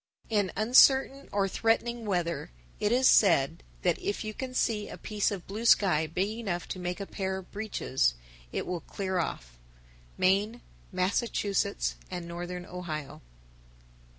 _ 967. In uncertain or threatening weather it is said that if you can see a piece of blue sky big enough to make a pair of breeches, it will clear off. _Maine, Massachusetts, and Northern Ohio.